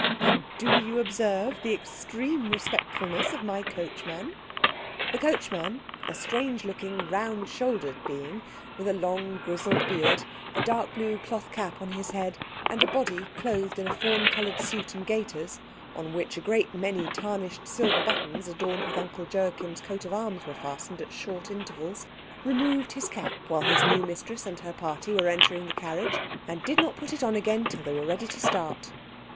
And do you observe the extreme respectfulness of my coachman?" The coachman, a strange looking, round shouldered being, with a long grizzled beard, a dark blue cloth cap on his head, and a body clothed in a fawn coloured suit and gaiters, on which a great many tarnished silver buttons adorned with Uncle Joachim's coat of arms were fastened at short intervals, removed his cap while his new mistress and her party were entering the carriage, and did not put it on again till they were ready to start.